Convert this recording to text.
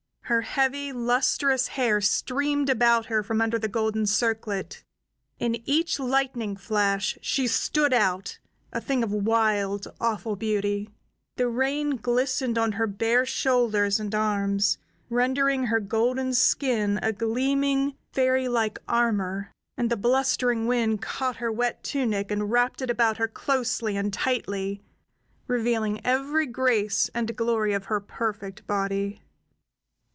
Her heavy, lustrous hair streamed about her from under the golden circlet; in each lightning flash she stood out, a thing of wild, awful beauty; the rain glistened on her bare shoulders and arms, rendering her golden skin a gleaming, fairylike armor. And the blustering wind caught her wet tunic and wrapped it about her closely and tightly, revealing every grace and glory of her perfect body.